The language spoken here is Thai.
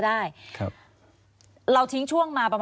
ควิทยาลัยเชียร์สวัสดีครับ